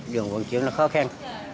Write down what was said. đường vận chuyển là khó khăn